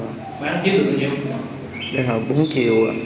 bán chiếc được bao nhiêu